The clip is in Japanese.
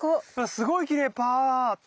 すごいきれいパーっと。